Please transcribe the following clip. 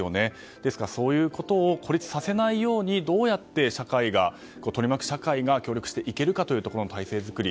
ですからそういうことを孤立させないように取り巻く社会が協力していけるかの体制作り